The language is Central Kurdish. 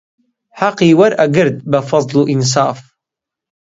حەقی وەرئەگرت بە فەزڵ و ئینساف